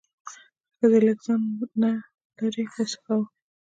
ښځې لږ ځان را نه لرې وڅښاوه.